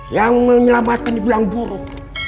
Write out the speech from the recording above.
yang menyelamatkan dibilang buruk